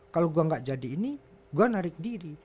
kalau gua gak jadi ini gua narik diri